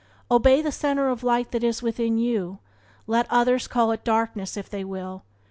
Obey the centre of light that is within you; let others call it darkness if they will.